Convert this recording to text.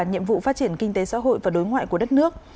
nhiệm vụ phát triển kinh tế xã hội và đối ngoại của đất nước